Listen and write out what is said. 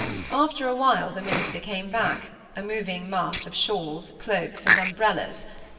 After a while, the minister came back, a moving mass of shawls, cloaks, and umbrellas.